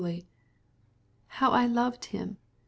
"And how I loved him!